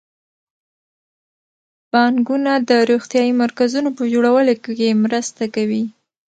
بانکونه د روغتیايي مرکزونو په جوړولو کې مرسته کوي.